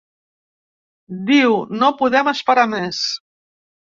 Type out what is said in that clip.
Diu: No podem esperar més.